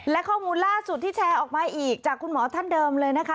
และข้อมูลล่าสุดที่แชร์ออกมาอีกจากคุณหมอท่านเดิมเลยนะคะ